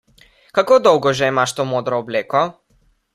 Kako dolgo že imaš to modro obleko?